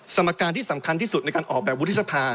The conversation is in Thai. สมการที่สำคัญที่สุดในการออกแบบวุฒิสภา